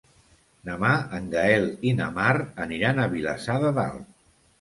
Demà en Gaël i na Mar aniran a Vilassar de Dalt.